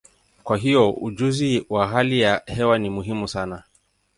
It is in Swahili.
Kwa hiyo, ujuzi wa hali ya hewa ni muhimu sana.